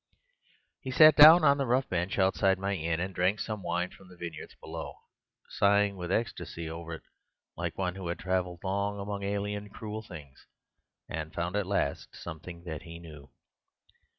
"He sat down on the rough bench outside my inn and drank some wine from the vineyards below, sighing with ecstasy over it like one who had travelled long among alien, cruel things and found at last something that he knew.